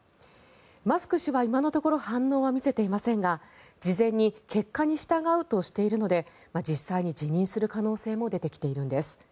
マスク氏は今のところ反応は見せていませんが事前に結果に従うとしているので実際に辞任する可能性も出てきているんです。